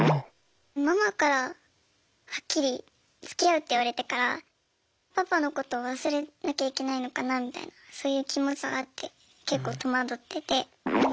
ママからはっきりつきあうって言われてからパパのこと忘れなきゃいけないのかなみたいなそういう気持ちとかあって結構戸惑ってて。